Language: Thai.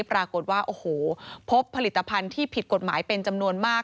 ปรากฏว่าโอ้โหพบผลิตภัณฑ์ที่ผิดกฎหมายเป็นจำนวนมาก